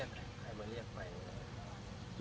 ใครมาเรียกไป